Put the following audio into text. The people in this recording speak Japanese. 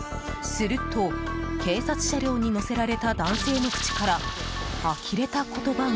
すると警察車両に乗せられた男性の口から、あきれた言葉が。